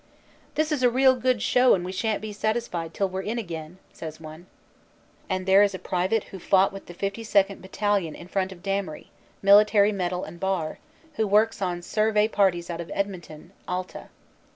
"This is a real good show and we shan t be satisfied till we re in again," says one. And there is a private who fought with the 52nd. Battalion in front of Damery military medal and bar, who works on survey parties out of Edmonton, Alta.